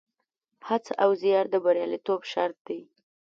هڅه او زیار د بریالیتوب شرط دی.